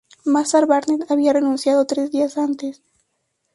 Mazar Barnett había renunciado tres días antes.